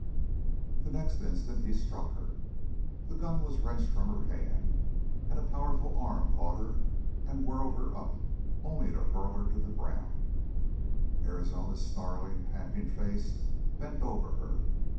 The next instant he struck her. The gun was wrenched from her hand, and a powerful arm caught her and whirled her up, only to hurl her to the ground; Arizona's snarling, panting face bent over her.